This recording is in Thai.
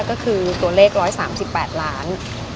ก็คือตัวเลข๑๓๘ล้าน